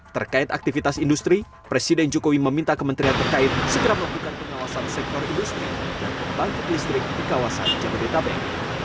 terkait aktivitas industri presiden jokowi meminta kementerian terkait segera melakukan pengawasan sektor industri dan pembangkit listrik di kawasan jabodetabek